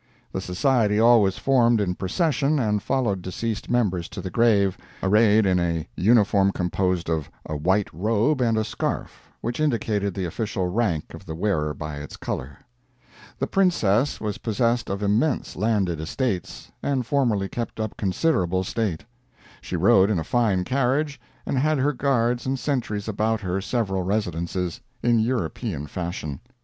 The society always formed in procession and followed deceased members to the grave, arrayed in a uniform composed of a white robe and a scarf, which indicated the official rank of the wearer by its color. The Princess was possessed of immense landed estates, and formerly kept up considerable state. She rode in a fine carriage, and had her guards and sentries about her several residences, in European fashion.